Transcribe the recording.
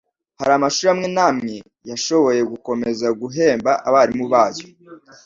Hari amashuri amwe n'amwe yashoboye gukomeza guhemba abarimu bayo,